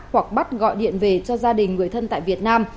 hoặc bắt gọi điện về cho gia đình người thân tại việt nam